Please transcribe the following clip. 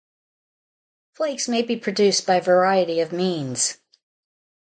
Flakes may be produced by a variety of means.